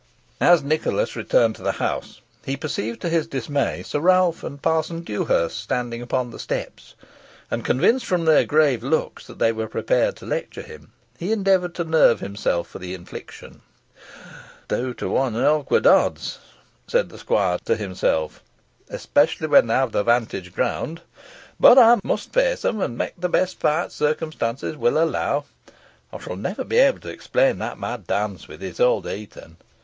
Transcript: As Nicholas returned to the house, he perceived to his dismay Sir Ralph and Parson Dewhurst standing upon the steps; and convinced, from their grave looks, that they were prepared to lecture him, he endeavoured to nerve himself for the infliction. "Two to one are awkward odds," said the squire to himself, "especially when they have the 'vantage ground. But I must face them, and make the best fight circumstances will allow. I shall never be able to explain that mad dance with Isole de Heton.